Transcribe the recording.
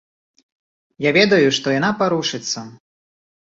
Я ведаю, што яна парушыцца.